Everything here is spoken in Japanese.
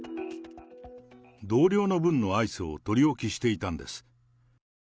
同僚の分のアイスを取り置きしていたんです。